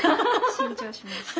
新調しました。